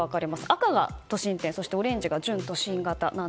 赤が都心店、オレンジが準都心店。